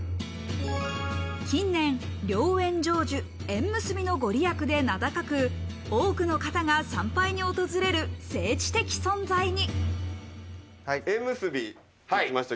近年、良縁成就、縁結びのご利益で名高く、多くの方が参拝に訪れる聖地的存在に。